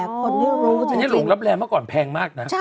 อันนี้หลงลับแลเมื่อก่อนแพงมากนะ